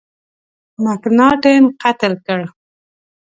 مکناټن قتل کړ.